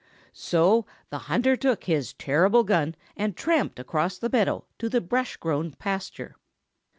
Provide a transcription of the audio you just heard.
So the hunter took his terrible gun and tramped across the meadow to the brush grown pasture.